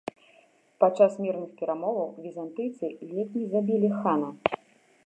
Падчас мірных перамоваў візантыйцы ледзь не забілі хана.